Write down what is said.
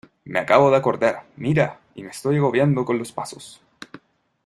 me acabo de acordar. mira, y me estoy agobiando con los pasos .